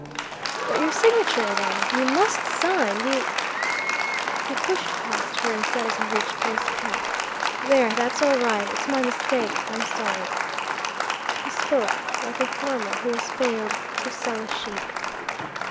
"But your signature then! You must sign you " He pushed past her, and said as he reached for his cap, "There, that's all right. It's my mistake. I'm sorry." He spoke like a farmer who has failed to sell a sheep.